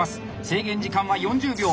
制限時間は４０秒。